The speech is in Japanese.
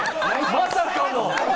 まさかの。